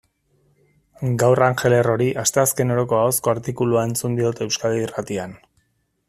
Gaur Angel Errori asteazkeneroko ahozko artikulua entzun diot Euskadi Irratian.